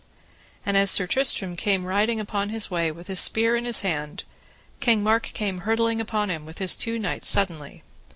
And as Sir Tristram came riding upon his way with his spear in his hand, King Mark came hurtling upon him with his two knights suddenly.